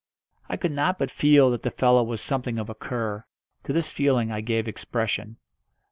I could not but feel that the fellow was something of a cur. To this feeling I gave expression.